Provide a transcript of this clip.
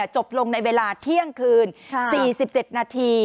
จบลงในเวลาเที่ยงคืน๔๗นาที